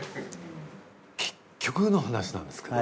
結局の話なんですけど。